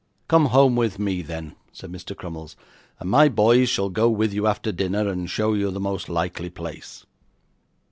'Come home with me then,' said Mr. Crummles, 'and my boys shall go with you after dinner, and show you the most likely place.